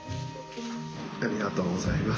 ありがとうございます。